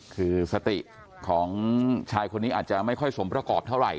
คือสติของชายคนนี้อาจจะไม่ค่อยสมประกอบเท่าไหร